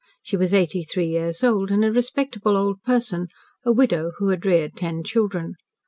She was eighty three years old, and a respectable old person a widow, who had reared ten children.